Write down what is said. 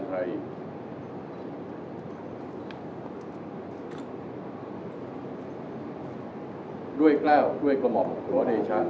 สวัสดีครับสวัสดีครับสวัสดีครับ